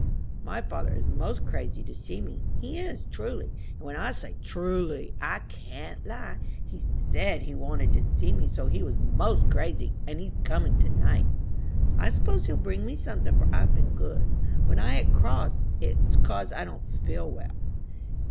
My father is 'most crazy to see me. He is, truly; and when I say truly, I can't lie. He said he wanted to see me so he was 'most crazy, and he's comin' to night. I s'pose he'll bring me something, for I've been good. When I act cross, it's 'cause I don't feel well.